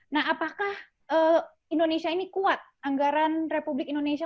nah apakah indonesia ini kuat anggaran republik indonesia